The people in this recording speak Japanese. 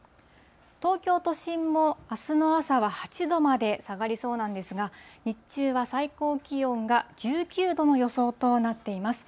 東京都心もあすの朝は８度まで下がりそうなんですが、日中は最高気温が１９度の予想となっています。